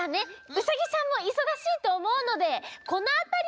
ウサギさんもいそがしいとおもうのでこのあたりで。